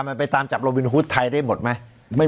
มันไปตามจับโลวินฮูตไทยได้หมดไหม